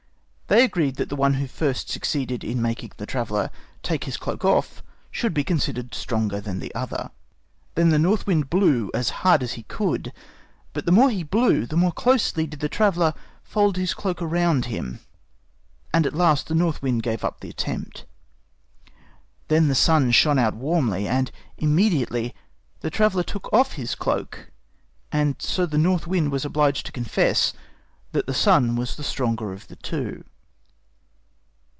They agreed that the one who first succeeded in making the traveler take his cloak off should be considered stronger than the other. Then the North Wind blew as hard as he could, but the more he blew the more closely did the traveler fold his cloak around him; and at last the North Wind gave up the attempt. Then the Sun shined out warmly, and immediately the traveler took off his cloak. And so the North Wind was obliged to confess that the Sun was the stronger of the two.